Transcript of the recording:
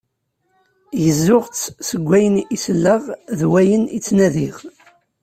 Gezzuɣ-tt seg wayen i selleɣ d wayen i ttnadiɣ.